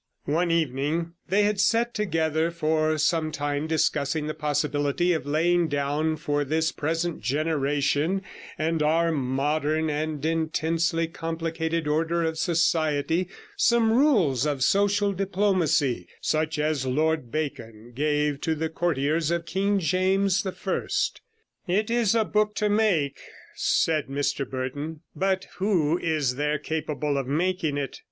One evening they had sat together for some time discussing the possibility of laying down for this present generation and our modern and intensely complicated order of society some rules of social diplomacy, such as Lord Bacon gave to the courtiers of King James I. 'It is a book to make,' said Mr Burton, 'but who is there capable of making it?